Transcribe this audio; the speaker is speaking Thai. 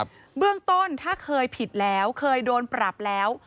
เบื้องต้นถ้าเคยผิดแล้วเคยโดนปรับแล้ว